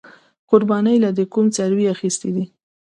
قربانۍ له دې کوم څاروې اغستی دی؟